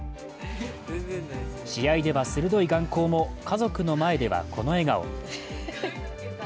試合では鋭い眼光も家族の前ではこの笑顔。